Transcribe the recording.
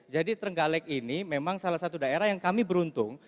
jadi terenggalek ini memang salah satu daerah yang kami beruntung